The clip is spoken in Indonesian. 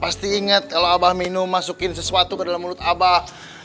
pasti inget kalau abah minum masukin sesuatu ke dalam mulut abah